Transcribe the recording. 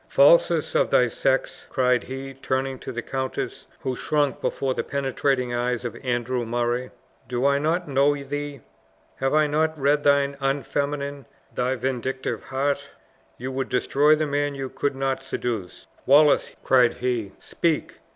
Falsest of thy sex!" cried he, turning to the countess, who shrunk before the penetrating eyes of Andrew Murray; "do I not know thee? Have I not read thine unfeminine, thy vindictive heart? You would destroy the man you could not seduce! Wallace!" cried he, "speak.